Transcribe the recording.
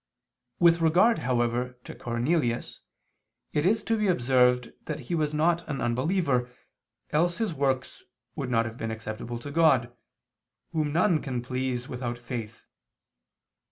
With regard, however, to Cornelius, it is to be observed that he was not an unbeliever, else his works would not have been acceptable to God, whom none can please without faith.